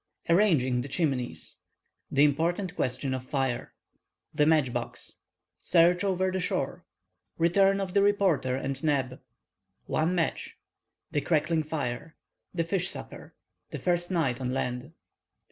ARRANGING THE CHIMNEYS—THE IMPORTANT QUESTION OF FIRE—THE MATCH BOX—SEARCH OVER THE SHORE—RETURN OF THE REPORTER AND NEB—ONE MATCH—THE CRACKLING FIRE—THE FISH SUPPER—THE FIRST NIGHT ON LAND.